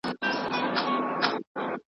اعتمادي نه دي ، بقا نه لري